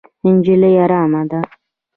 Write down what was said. نجلۍ ارامه ده.